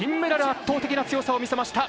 圧倒的な強さを見せました！